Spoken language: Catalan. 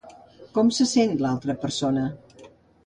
Com se sent l'altra persona?